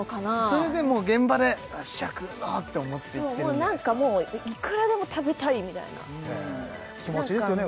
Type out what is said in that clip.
それでもう現場でよっしゃ食うぞって思ってそうもう何かもういくらでも食べたいみたいな気持ちいいですよね